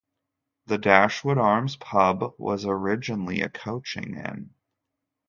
The Dashwood Arms pub was originally a coaching inn.